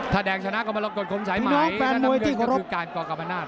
ถ้าแดงชนะก็มารับกฎของชายใหม่น้ำเงินก็คือการกรกรรมนาศ